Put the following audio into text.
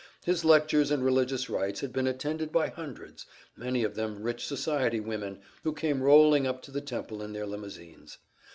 His lectures and religious rites had been attended by hundreds many of them rich society women, who came rolling up to the temple in their limousines.